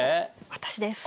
私です。